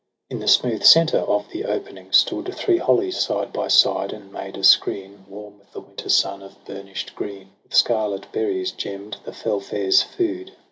In the smooth centre of the opening stood Three hollies side by side, and made a screen, Warm with the winter sun, of burnish'd green With scarlet berries gemm'd, the fell fare's food.